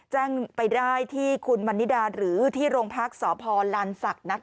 แจ้งไปได้ที่คุณมันนิดาหรือที่โรงพักษ์สพลานศักดิ์